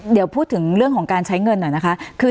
เดี๋ยวพูดถึงเรื่องของการใช้เงินหน่อยนะคะ